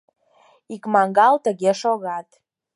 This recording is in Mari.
Икмагал тыге шогат.